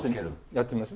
やってみます？